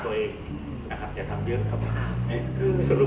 คุณคุยกับผมไหมซึ่งแหละ